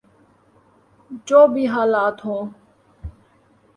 جو بھی حالات ہوں۔